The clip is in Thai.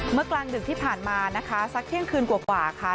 กลางดึกที่ผ่านมานะคะสักเที่ยงคืนกว่าค่ะ